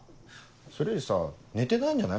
それよりさ寝てないんじゃない？